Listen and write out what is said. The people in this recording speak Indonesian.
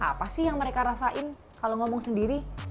apa sih yang mereka rasain kalau ngomong sendiri